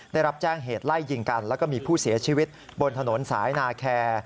ได้รับแจ้งเหตุไล่ยิงกันแล้วก็มีผู้เสียชีวิตบนถนนสายนาแคร์